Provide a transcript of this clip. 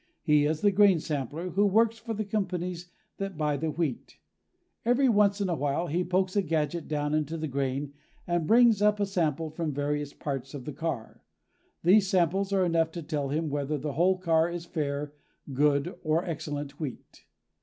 He is the grain sampler who works for the companies that buy the wheat. Every once in a while he pokes a gadget down into the grain and brings up a sample from various parts of the car. These samples are enough to tell him whether the whole car is fair, good, or excellent wheat.